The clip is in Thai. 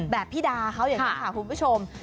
แบบพิดาเขาอย่างนั้นค่ะคุณผู้ชม